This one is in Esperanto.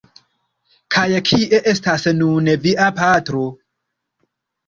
Kaj kie estas nun via patro?